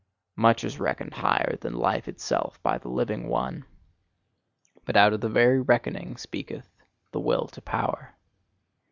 Much is reckoned higher than life itself by the living one; but out of the very reckoning speaketh the Will to Power!"